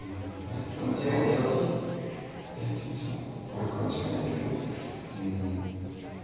１三１二いや１一もあるかもしれないですけどうん。